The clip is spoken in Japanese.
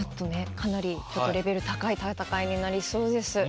かなりレベル高い戦いになりそうです。